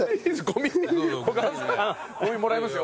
ゴミもらいますよ。